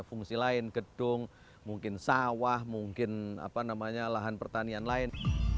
fungsi lain gedung mungkin sawah mungkin apa namanya lahan pertanian lain